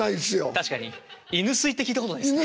確かに犬吸いって聞いたことないですね。